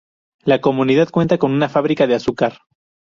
La comunidad cuenta con una fábrica de azúcar.